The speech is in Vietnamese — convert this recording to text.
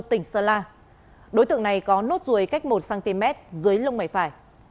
tỉnh sơn la đối tượng này có nốt ruồi cách một cm dưới lông mảy phải